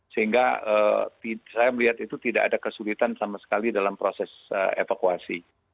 sehingga saya melihat itu tidak ada kesulitan sama sekali dalam proses evakuasi